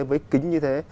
với kính như thế